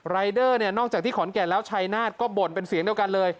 รายเดอร์เนี่ยนอกจากที่ขอนแก่นแล้วชัยนาฏก็บ่นเป็นเสียงเดียวกันเลย